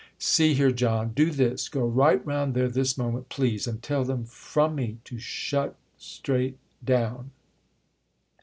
"See here, John—do this: go right round there this moment, please, and tell them from me to shut straight down!"